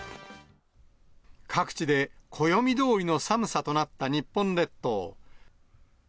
各地で暦通りの寒さとなった日本列島。